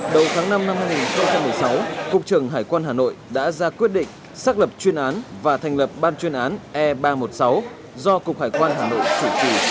đầu tháng năm năm hai nghìn một mươi sáu cục trưởng hải quan hà nội đã ra quyết định xác lập chuyên án và thành lập ban chuyên án e ba trăm một mươi sáu do cục hải quan hà nội chủ trì